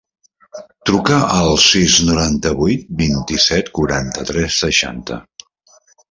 Truca al sis, noranta-vuit, vint-i-set, quaranta-tres, seixanta.